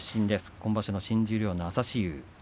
今場所の新十両の朝志雄。